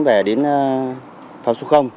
về đến pháo số